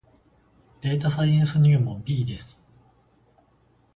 データサイエンス入門 B です